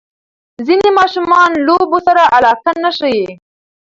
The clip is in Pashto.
ځینې ماشومان لوبو سره علاقه نه ښیي.